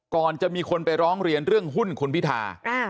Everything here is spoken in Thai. ก่อนจะมีคนไปร้องเรียนเรื่องหุ้นคุณพิธา